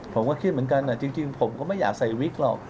ผมก็คิดเหมือนกันจริงผมก็ไม่อยากใส่วิกหรอก